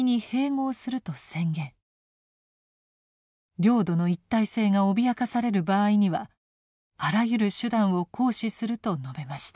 領土の一体性が脅かされる場合にはあらゆる手段を行使すると述べました。